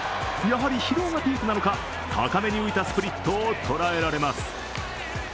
やはり疲労がピークなのか、高めに浮いたスプリットを捉えられます。